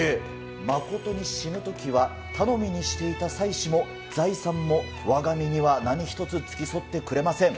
まことに死ぬときは頼みにしていた妻子も財産もわが身には何一つ付き添ってくれません。